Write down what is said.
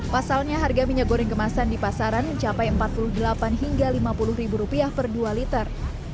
pasalnya harga minyak goreng kemasan di pasaran mencapai rp empat puluh delapan hingga rp lima puluh ribu rupiah per dua liter